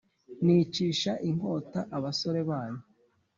nicisha inkota abasore banyu,